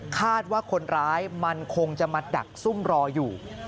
คาดว่าคนร้ายมันคงจะมาดักซุ่มรออยู่